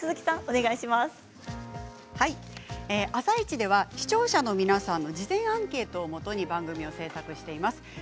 「あさイチ」では視聴者の皆さんの事前アンケートをもとに番組を制作しています。